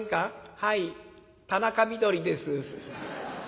「はい田中みどりです」。